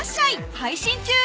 配信中